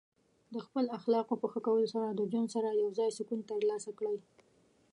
د خپل اخلاقو په ښه کولو سره د ژوند سره یوځای سکون ترلاسه کړئ.